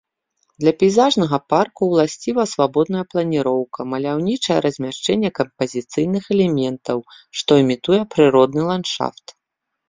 Для пейзажнага парку ўласціва свабодная планіроўка, маляўнічае размяшчэнне кампазіцыйных элементаў, што імітуе прыродны ландшафт.